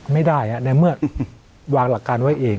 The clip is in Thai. ไม่ได้ในเมื่อวางหลักการไว้เอง